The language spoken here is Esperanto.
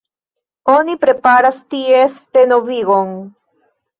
Oni preparas ties renovigon.